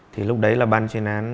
thì lúc đấy là bàn truyền án